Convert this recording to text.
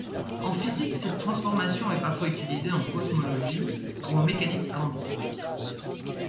En physique, cette transformation est parfois utilisée en cosmologie ou en mécanique quantique.